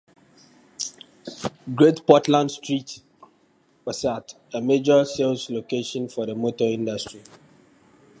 Great Portland Street was at a major sales location for the motor industry.